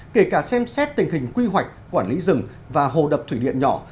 kể cả xem xét tình hình quy hoạch quản lý rừng và hồ đập thủy điện nhỏ